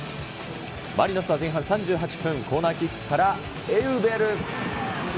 マリノスは前半３８分、コーナーキックからエウベル。